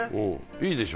いいでしょ？